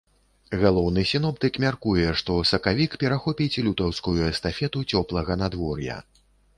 Галоўны сіноптык мяркуе, што сакавік перахопіць лютаўскую эстафету цёплага надвор'я.